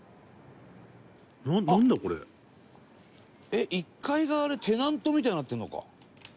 えっ１階があれテナントみたいになってるのか。